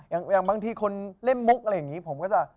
อย่างบางทีคนเล่นมุกอะไรอย่างนี้ผมก็จะ